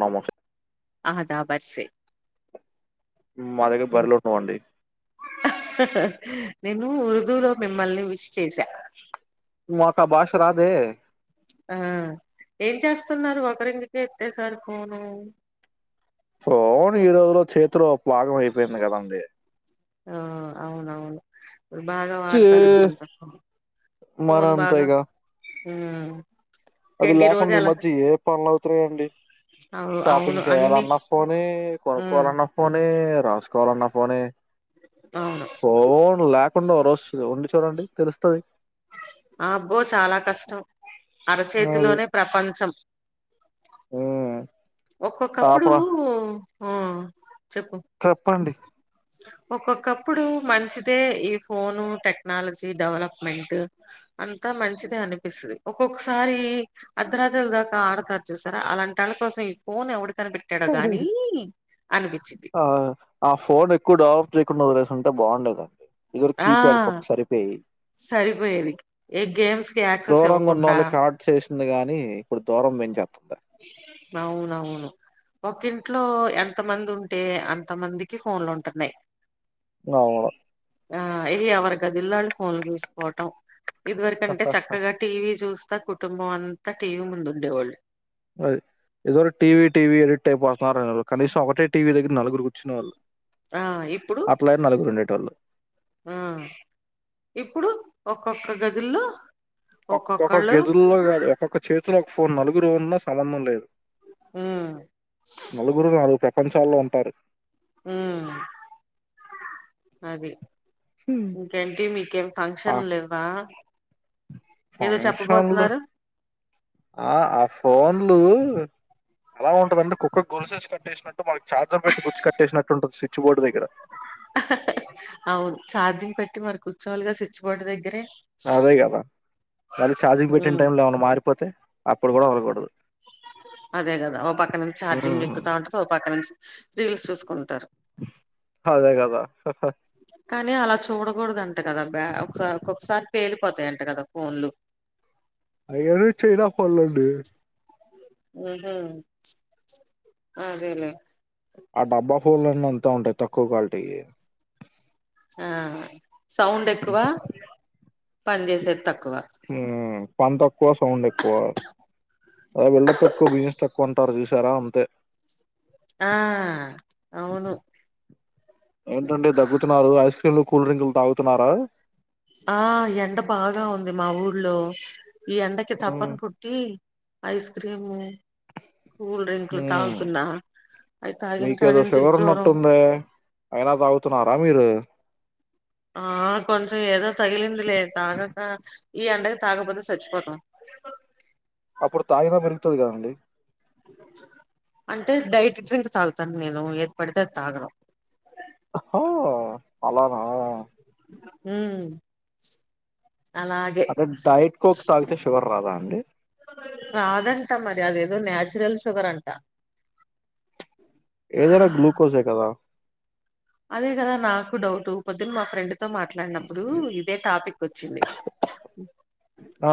నమోసే అదా బర్సె మ్మ్ మా దగ్గర బరిలో ఉన్నవండి నేను ఉర్దూలో మిమ్మల్ని విష్ చేసా మాకు ఆ బాష రాదే ఆ ఏం చేస్తున్నారు ఒకరిందుకే ఎత్తేసరి ఫోను సో ఈ రోజులో చేతిలో ఒక భాగం అయిపోయింది కదండి ఆ అవునవును బాగా చీ వాడతారనుకుంట మరి ఫోన్ అంతే బాగా ఇగ హ్మ్మ్ అది లేకుండా ఈ మధ్య ఏ పనులు అవుతున్నాయంండి అవు అవును షాపింగ్ అన్ని చేయాలన్న ఫోనే ఉమ్ కొనుక్కవాలన్న ఫోనే రాసుకో కోవాలన్నా ఫోనే అవును ఫోన్ ల్యాక్ తప్పకుండా ఒరొస్తుంది ఉండి చూడండి తెలుస్తుంది ఆ అబ్బో చాలా కష్టం అది అరచేతిలోనే ప్రపంచం ఉమ్ ఆప ఒక్కొక్కప్పుడు ఆ చెప్పు చెప్పండి ఒక్కొక్కప్పుడు మంచిదే ఈ ఫోను టెక్నాలజీ డెవలప్మెంట్ అంతా మంచిదే అనిపిస్తుది ఒక్కొక్కసారి అర్ధరాత్రుల దాకా ఆడతారు చూసారా అలాంటి వాళ్ళ కోసం ఈ ఫోన్ ఎవడు కనిపెట్టాడో గాని అనిపించిద్ది ఆ ఆ ఫోన్ ఎక్కువ డెవలప్ చేయకుండా వదిలేసింటే బాగుండేది దండి ఇదిరు ఆ కీప్యాడ్ ఫోన్ సరిపోయి సరిపోయేది ఏ గేమ్స్ కి యాక్సెస్ దూరంగా ఇవ్వకుండా ఉన్నోళ్ళు కాట్ చేసింది గాని ఇప్పుడు దూరం పెంచేస్తుంది అవునవును ఒక ఇంట్లో ఎంత మంది ఉంటే అంత మందికి ఫోన్లు ఉంటున్నాయి అవును ఆ ఎవరి గదుల్లో ఆల్లు ఫోన్లు చూసుకోవటం ఇది వరకంటే చక్కగా టీవీ చూస్ అంత కుటుంబం అంతా టీ వి ముందు ఉండేవాళ్ళు అది ఏదో టీవి టీవి ఎడిట్యి ప వారూ కాదు కనీసం ఒకటే టీవీ దగ్గరా నలుగురు కూర్చునే వాళ్ళు ఆ ఇప్పుడు ఆ ఇప్పుడు ఒక్ ఒక్కొక్క గదుల్లో ఒక్కొక్క ఒక్కొక్కళ్ళు గదుల్లో కాదు ఒక్కొక్క చేతులో ఫోన్ నలుగురు ఉన్న సంబంధం లేదు. ఊ నలుగురు నాలుగు ప్రపంచాల్లో ఉంటారు. ఊ అది హు ఇంకేంటి మీకేం ఆ ఫంక్షన్ లేవా ఏదో ఫంక్షన్లు చెప్పబోతున్నారు ఆ ఆ ఫోన్లు అలా ఉంటదండి కుక్క గొలుసేసి కట్టేసి తీస్ మనకు చార్జర్ పెట్టి కూర్చ్చి కట్టేసినట్టుంటుంది స్విచ్ బోర్డు దగ్గర అవును ఛార్జింగ్ పెట్టి మరి కూర్చోవాలిగా స్విచ్ బోర్డ్ దగ్గరే అదే కదా మళ్ళీ ఛార్జింగ్ పెట్టిన ఉమ్ టైమ్ లో ఏమన్నా మారిపోతే అప్పుడు కూడా వదలకూడదు అదే కదా ఓ పక్క నుంచి ఛార్జింగ్ ఉమ్ ఎక్కుతా ఉంటుంది ఓ పక్క నుంచి రీల్స్ చూసుకుంటారు. అదే కదా హ హ చూడగూడదన్ కదా బా ఒకసారి ఒకొకసారి పేలి పోతాయంట కదా ఫోన్లు అయ్యావో చైనా పోన్లండి అదే అదేలే ఆ డబ్బా ఫోన్లన్నీ అంతే ఉంటాయి తక్కువ క్వాలిటీ ఆ సౌండ్ ఎక్కువ పనిచేసేది తక్ క్కువ ఉమ్ పని తక్కువ సౌండ్ ఎక్కువ ఆ బిల్డప్ ఎక్కువ బిజినెస్ తక్కువ అంటారు చూసారా అంతే ఆ అవును. ఏంటండి దగ్గుతున్నారు ఐస్ క్రీమ్లు కూల్ డ్రింకులు తాగుతున్నారా ఆ ఎండ బాగా ఉంది మా ఊర్లో ఈ ఎండకి ఉమ్ తప్పన్ పుట్టి ఐస్ క్రీము కూల్ హు డ్రింక్లు తాగుతున్నా అవి తాగిన మీకేదో కానుంచి ఫీవర్ జ్వరం ఉన్నట్టుందే అయినా తాగుతున్నారా మీరు ఆ కొంచెం ఏదో తగిలింది లే తాగక ఈ ఎండకి తాగపోతే సచ్చిపోతాం అప్పుడు తాగిన పెరుగుతది కదండి అంటే డైట్ డ్రింక్ తాగుతాను నేను ఏది పడితే అది తాగను హొ ఆలనా హు అలాగే అంటే డైట్ కోక్ తాగితే షుగర్ రాదా అండి రాదంటా మరి అదే ఇందులో న్యాచురల్ షుగర్ అంట ఏదైనా గ్లూకోస్ ఏ కదా అదే కదా నాకు డౌట్ పొద్దున మా ఫ్రెండ్ తో మాట్లాడినప్పుడు ఇదే టాపిక్ వచ్చింది ఆ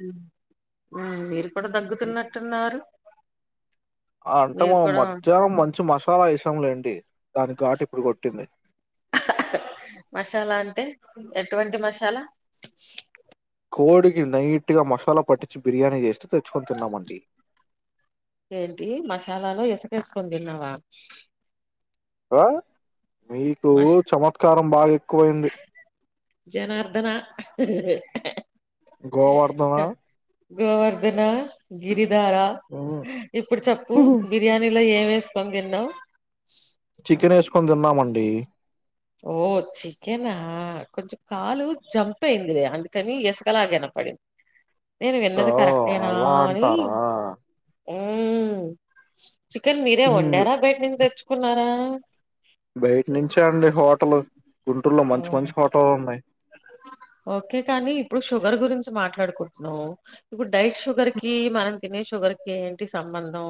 హు మీరు ఇప్పుడు దగ్గుతున్నట్టున్నారు అంటే మీరు మము కూడా మధ్యాహ్నం మంచి మసాలా ఏసంలేండి దాని ఘాటు ఇప్పుడు కొట్టింది మసాలా అంటే ఎటువంటి మసాలా కోడికి నైట్ గా మసాలా పట్టించి బిర్యానీ చేస్తూ తెచ్చుకొని తిన్నమండి కలలో ఇసకేసుకుని తిన్నావా ఆ మీకు మషా చమత్కారం బాగా ఎక్కువయింది హు హ గోవర్ధనా గోవర్ధన గిరిధార ఉమ్. ఇప్పుడు చెప్పు బిర్యానీలో ఏం వేసుకొని తిన్నవ్ చికెన్ ఎసుకోని తిన్నమం డి ఓ చికెనా కొంచెం కాలు జంప్ అయిందిలే అందుకని ఇసకలాగ వినపడింది ఓ అలా అంటారా ఊం చికెన్ మీరే ఉమ్, వండారా బయట నుంచి తెచ్చుకున్నారా బయటి నుంచే అండి హోటల్ గుంటూరులో మంచి అవును మంచి హోటళ్లు ఉన్నాయి ఓకే కానీ ఇప్పుడు షుగర్ గురించి మాట్లాడుకుంటున్నాం ఇప్పుడు డైట్ షుగర్ కి మనం తినే షుగర్ కి ఏంటి సంబంధం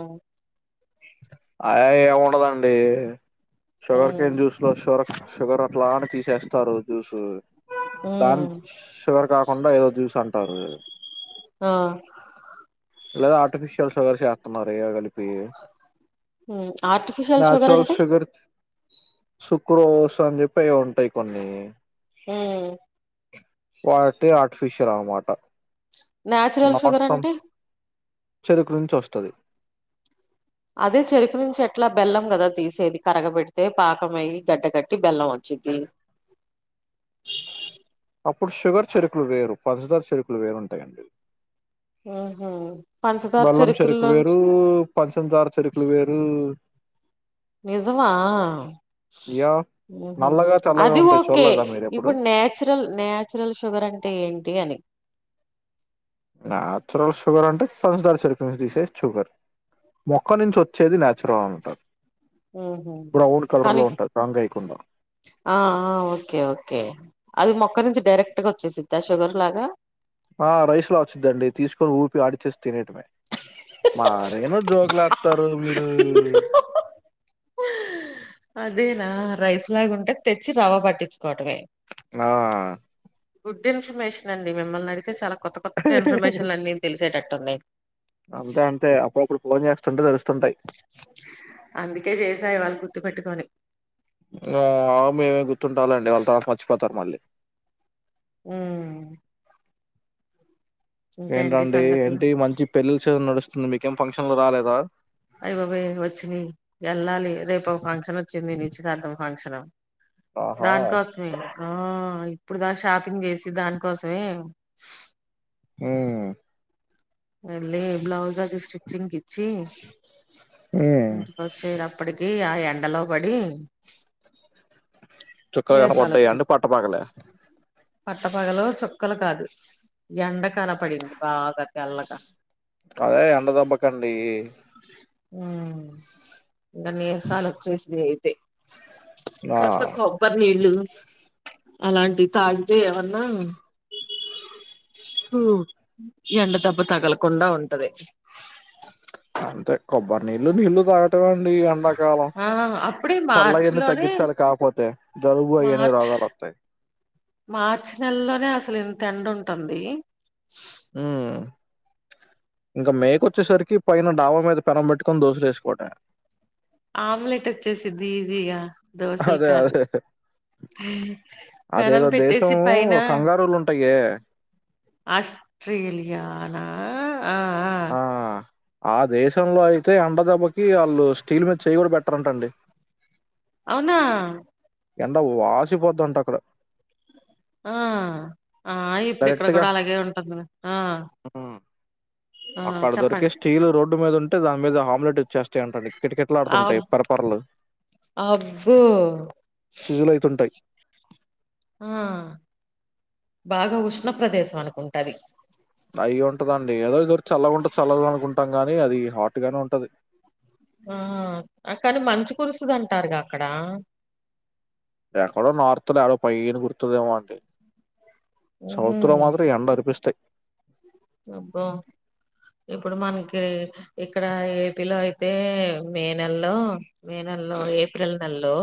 అంటే. షుగర్ మ్మ్ కేన్ జ్యూస్ లో షూర్ షుగర్ అట్లా అని తీసేస్ తరుచూసు దాని మ్మ్ చివర కాకుండా ఏదో చూసాను పర్ల్ ఆ లేదా ఆర్టిఫిషియల్ షుగర్ చేస్తున్నారు ఇవి కలిపి ఉం ఆర్టిఫిషియల్ షుగర్ అంటే శుక్రవస్ అని చెప్పెయ్యొ ఉం పై కొన్ని హు మ్ వాటి ఆర్టిఫిషియర్ అన్నమాట న్యాచురల్ షుగర్ అంటే చెరుకు నుంచి వస్తది అదే చెరుకు నుంచి ఎట్లా బెల్లం కదా తీసేది కరగబెడితే పాకం అయ్యి గడ్డగట్టి బెల్లం వచ్చిద్ది అప్పుడు షుగర్ చెరుకులు వేరు పంచదార చెరుకులు వేరుంటాయండి మ్ హు పంచదార బెల్లం చెరుకు వేరు చెరుకుల్లోంచి పంచదార చెరుకులు వేరు నిజమా హా యా మ్ హు నల్లగా తెల్లగా అది ఉంటాయి ఓకే చూడలేదా మీరు ఎప్పుడు ఇప్పుడు న్యాచురల్ న్యాచురల్ షుగర్ అంటే ఏంటి అని నాచురల్ షుగర్ అంటే పంచదార చెరుకు నుంచి తీసే షుగర్ మొక్క నుంచి వచ్చేది నాచురల్ అంటారు ఉ హు బ్రౌన్ కలర్ కానీ లో ఉంటది రంగు అయకుండా ఆ అ ఓకే ఓకే అది మొక్క నుంచి డైరెక్ట్ గా వచ్చేసిద్ద షుగర్ లాగా ఆ రైస్ లో వచ్చిదండి తీసుకొని ఊపి ఆడిచేస్ తినేటివయి మా రేను జోగ్లత్ త్తారు మీరు అదేనా రైస్ లాగా ఉంటే తెచ్చి రవ్వ పట్టించుకోవటమే ఆ గుడ్ ఇన్ఫర్మేషన్ అండి మిమ్మల్ని అడిగితే చాలా కొత్త కొత్త ఇన్ఫర్మేషన్లు అన్ని తెలిసేటట్టు అన్ని అంతే అంతే అప్పుడప్పుడు ఫోన్ చేస్తుంటే తెలుస్తుంటాయి అందుకే చేసా ఈవాళ గుర్తుపెట్టుకొని ఆ మీమేం గుర్తుంటం లేండి వాళ్ళ తరువాత మర్చిపోతారు మళ్ళీ హ్మ్మ్ ఇంకా ఏంటి ఏంటండి సంగతులు ఏంటి మంచి పెళ్ళిళ్ళ సీజన్ నడుస్తుంది మీకేం ఫంక్షన్లు రాలేదా అయ్య బాబోయి వచ్చినయి వెళ్ళాలి రేపు ఒక ఫంక్షన్ వచ్చింది నిశ్చితార్థం ఫంక్షన్ ఆహా దానికోసమేగా ఇప్పుడు దాగా షాపింగ్ చేసి దానికోసమే ఉహు లే బ్లాజ్ అది స్టిచింగ్ కి ఇచ్చి ఉమ్ ఇంటికి వచ్చేడే అప్పటికి ఏ ఆ ఎండలో పడి చుక్కలు నీరసాలు కనపడ్డాయి అంటే వచ్చేసాయి పట్టపగలే పట్టపగలు చుక్కలు కాదు ఎండ కనపడింది బాగా తెల్లగా అదే ఎండ దెబ్బకు ఆ అండీ ఉ ఇకా నీరసాలు వచ్చేసినాయి తే ఆ కాస్త కొబ్బరి నీళ్ళు అలాంటి తాగితే ఏమన్నా ఎండ దెబ్బ తగలకుండా ఉంటది అంతే కొబ్బరి నీళ్లు నీళ్లు తాగటం ఆ ఎండాకాలం ఆ అప్పుడే మార్చి చల్లయని లోనే తగ్గించాలి కాకపోతే జలుబు అయని మార్చ్ రోగాలు వత్తాయి అనే అసలు ఇంత ఎండ ఉంటుంది హూ ఇంకా మే కొచ్చేసరికి పైన డావా మీద పెనంబట్టుకొని దోసలు వేసుకోవటమే ఆమ్లెట్ వచ్చేసిద్ది ఈజీగా దోసలు అదే కాదు అదే పెనం అదేదో దేశం పెట్టేసి పైన కంగారులు ఉంటాయే ఆస్ట్రేలియా నా ఆ ఆ ఆ దేశంలో అయితే ఎండదెబ్బకి వాళ్ళు స్టీల్ మీద చెయ్య కూడా పెట్టరు అంటండి అవునా ఎండ వాసిపోద్దంట అక్కడ ఆ ఆ ఇప్పుడు ఇక్కడ డైరెక్ట్ గా కూడా అలాగే ఉంటుందిలె ఆ ఉమ్. ఆ అక్కడ దొరికే చెప్పండి స్టీల్ రోడ్డు మీద ఉంటే దాని మీద ఆమ్లెట్ వచ్చేస్తాయి అంటాడి కిటికిట్లా అబ్ ఆడుతుంటాయి పరపర్లు అబ్బో సిజులు అవుతుంటాయి ఆ బాగా ఉష్ణ ప్ర్రదేశం అనుకుంటా అది అయి ఉంటదండి ఏదో ఇద్దరు చల్లగుంటే చల్లగా అనుకుంటాం గాని అది హాట్ గానే ఉంటది ఆ కాని మంచి కురుస్తుదింటారుగా అక్కడ ఎక్కడో నార్త్ లోడ పైను గుర్తుదేమో అంటే హుహు. సౌత్ లో మాత్రం ఎండ అరిపిస్తాయి అబ్బో ఇప్పుడు మనకి ఇక్కడ ఏపీలో అయితే మే నెలలో మే నెలలో ఏప్రిల్ నెలలో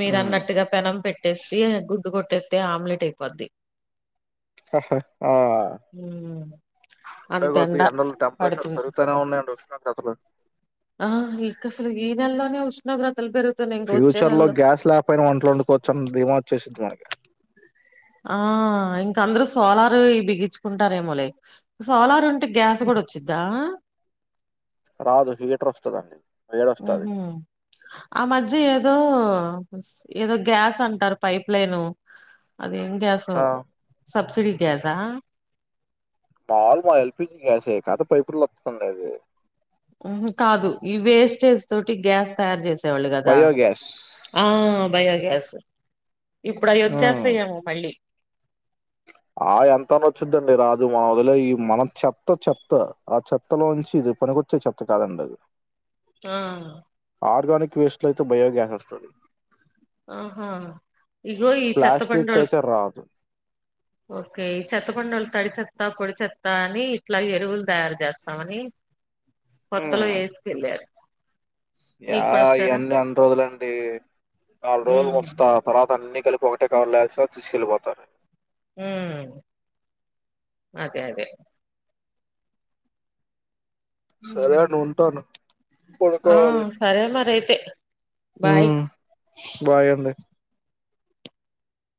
మీరు హ్మ్. అన్నట్టుగా పెనం పెటి కొట్టేస్త గుడ్డు కొట్టేస్తే ఆమ్లెట్ అయిపోద్ది అహ ఆ హ్మ్. అంటే అంత కొద్ది ఎండ ఎండలు టెంపరేచర్ పడుతుంది పెరుగుతనే ఉన్నాయండి వస్తున తగ్గుతలే ఆ ఈ కసలు ఈ నెలలోనే ఉష్ణోగ్రత ఫ్యూచర్లో గ్యాస్ పోయిన వంటలు వండుకోవచ్చని భీమా వచ్చేసింది మనకి ఆ ఇంక అందరు సోలారు బిగించుకుంటారేమోలే సోలార్ ఉం టే గ్యాస్ కూడా వచ్చిద్దా రాదు హీటర్ వస్తదండి. వేడొస్తది. ఆ మధ్య ఏదో ఏదో గ్యాస్ అంటారు పైప్ లైను అదేం గ్యాసో ఆ! సబ్సిడి గ్యాసా మాముల్ మా ఎల్పీజీ గ్యాసే [unintelligible] ఉండది మ్ కాదు ఈ వేస్టేజ్ తోటి గ్యాస్ తయారు చేసేవాళ్ళు కదా బయోగ్యాస్. ఆ బయోగ్యాస్ ఇప్పుడు అవి వచ్చేస్తా హ్మ్. ఏమో మళ్ళీ ఆ ఎంతని వచ్చుంటుంది రాద్ ఇది మ వదిలే ఈ మన చెత్త చెత్త ఆ చెత్తలోంచి ఇది పనికొచ్చే చెత్త కాదండి అది ఆ ఆర్గానిక్ వేస్ట్లో అయితే బయోగ్యాస్ వస్తది ఆహా ఇగో ఈ ప్లాస్టిక్ చెత్తబండోళల్ అయితే రాదు ఓకే ఈ చెత్తబండోల్ తడి చె త్త పొడి చెత్తా అని ఇట్లా ఎరువులు తయారు చేస్తమని కొత్తలో హ్మ్ వేసుకెల్లార్ యా ఈయన్ని రోజులండి నాల్ రోజుల్ ఉమ్ ముచ్చట తర్వ అన్ని కలిపి ఒకటే కవర్ ఏస్తర్ తీస్కెళ్ళిపోతారు. హ్మ్ అదే అదే సరే అండి ఉంటాను ఆ పడుకోవాలి సరే మరి అయితే బాయ్ హ్మ్ బాయ్ అండి